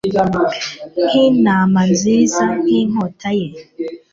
nkinama nziza nkinkota ye